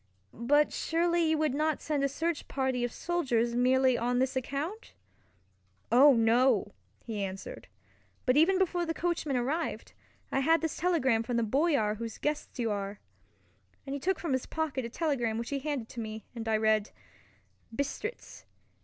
"But surely you would not send a search party of soldiers merely on this account?" "Oh, no!" he answered, "but even before the coachman arrived, I had this telegram from the Boyar whose guest you are," and he took from his pocket a telegram which he handed to me, and I read: Bistritz.